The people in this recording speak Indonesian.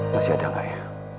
masih ada gak ya